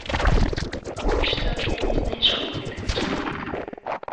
Пакуль што я не знайшоў гэтага чалавека.